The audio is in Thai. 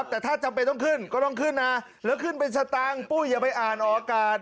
แต่ถ้าจำเป็นต้องขึ้นก็ต้องขึ้นนะแล้วขึ้นเป็นสตางค์ปุ้ยอย่าไปอ่านออกอากาศ